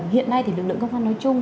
hiện nay thì lực lượng công an nói chung